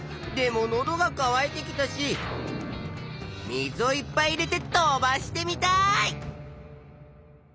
でものどがかわいてきたし水をいっぱい入れて飛ばしてみたい！